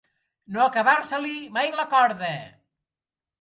No acabar-se-li mai la corda.